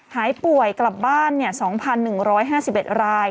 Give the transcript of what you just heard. หายป่วยกลับบ้าน๒๑๕๑ราย